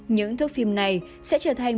những thức phim này sẽ trở thành